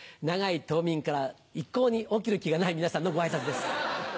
長い冬眠から一向に起きる気がない皆さんのご挨拶です。